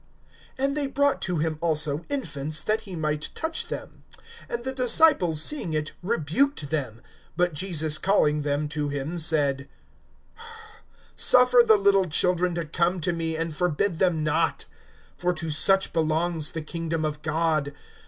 (15)And they brought to him also infants, that he might touch them; and the disciples seeing it rebuked them. (16)But Jesus calling them to him, said: Suffer the little children to come to me, and forbid them not; for to such belongs the kingdom of God.